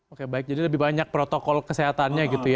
oke baik jadi lebih banyak protokol kesehatannya